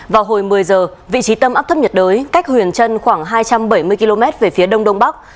vào hồi một mươi giờ vị trí tâm áp thấp nhiệt đới cách huyền trân khoảng hai trăm bảy mươi km về phía đông đông bắc